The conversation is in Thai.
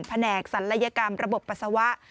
แหนกศัลยกรรมระบบปัสสาวะ